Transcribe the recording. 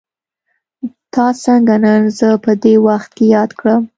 تا څنګه نن زه په دې وخت کې ياد کړم.